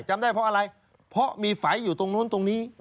จำได้เพราะอะไรเพราะมีไฝอยู่ตรงนู้นตรงนี้